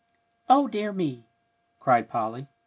"O dear me!" cried Polly.